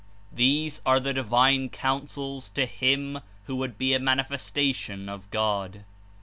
These are the divine counsels to him who would be a manifestation of God.